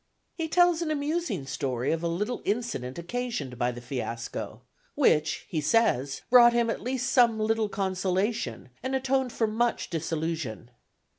He tells an amusing story of a little incident occasioned by the fiasco, which, he says, brought him at least some little consolation, and atoned for much disillusion.